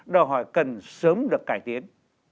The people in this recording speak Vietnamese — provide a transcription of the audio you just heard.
đòi hỏi cần sớm được cải tiến